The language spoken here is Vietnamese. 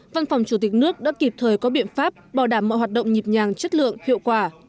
văn phòng chủ tịch nước đã kịp thời có biện pháp bảo đảm mọi hoạt động nhịp nhàng chất lượng hiệu quả